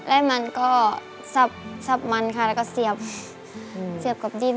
ไร่มันก็ซับซับมันค่ะแล้วก็เสียบเสียบกับดิ้น